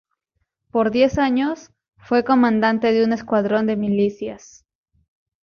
Por diez años fue comandante de un escuadrón de milicias.